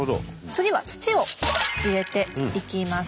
次は土を入れていきます。